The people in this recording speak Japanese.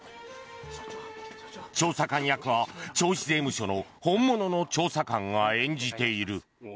調査官役は銚子税務署の本物の調査官が演じている。